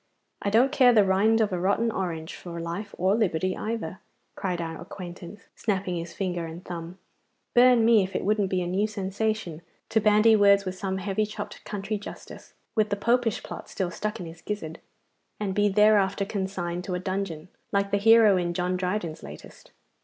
'I don't care the rind of a rotten orange for life or liberty either,' cried our acquaintance, snapping his finger and thumb. 'Burn me if it wouldn't be a new sensation to bandy words with some heavy chopped country justice, with the Popish plot still stuck in his gizzard, and be thereafter consigned to a dungeon, like the hero in John Dryden's latest.